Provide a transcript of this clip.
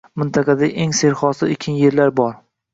Mintaqadagi eng serhosil ekin yerlar bor